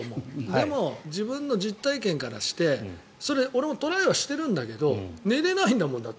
でも、自分の実体験からしてそれ、俺もトライはしてるんだけど寝れないんだもん。